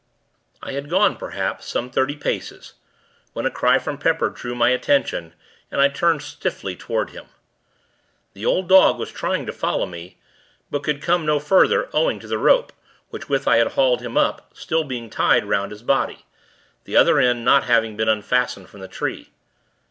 I had gone, perhaps, some thirty paces, when a cry from Pepper, drew my attention, and I turned, stiffly, toward him. The old dog was trying to follow me; but could come no further, owing to the rope, with which I had hauled him up, being still tied 'round his body, the other end not having been unfastened from the tree.